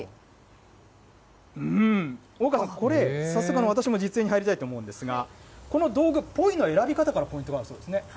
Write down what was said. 大河さん、これ、私も実演に入りたいと思うんですが、このポイの選び方にポイントがあるそうですね。